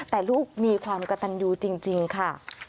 แต่ลูกมีความกระตันยูจริงค่ะ